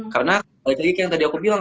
karena kayak yang tadi aku bilang